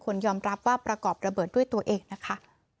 ยอมรับว่าประกอบระเบิดด้วยตัวเองนะคะ